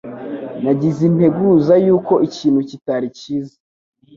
Nagize integuza yuko ikintu kitari cyiza.